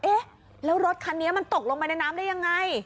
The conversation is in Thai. เอ๊ะแล้วรถคันนี้มันตกลงไปในน้ำได้ยังไง